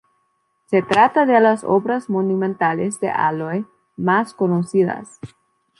Se trata de las obras monumentales de Alloy más conocidas.